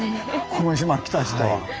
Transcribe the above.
この島来た人は。